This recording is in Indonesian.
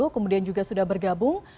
kemudian juga sudah bergabung